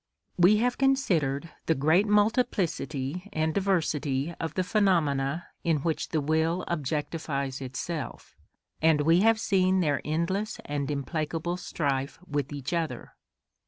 We have considered the great multiplicity and diversity of the phenomena in which the will objectifies itself, and we have seen their endless and implacable strife with each other.